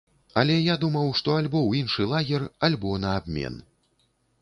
Але я думаў, што альбо ў іншы лагер, альбо на абмен.